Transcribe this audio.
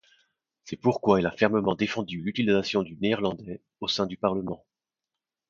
C'est pourquoi il a fermement défendu l'utilisation du néerlandais au sein du parlement.